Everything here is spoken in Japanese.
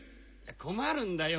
困るんだよ！